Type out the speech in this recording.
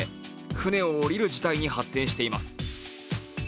船を降りる事態に発展しています。